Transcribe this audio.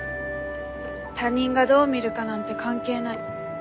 他人がどう見るかなんて関係ない。